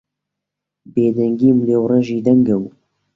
بێدەنگیم لێوڕێژی دەنگە و